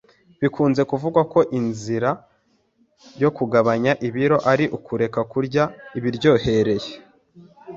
Bikunze kuvugwa ko inzira nziza yo kugabanya ibiro ari ukureka kurya ibiryohereye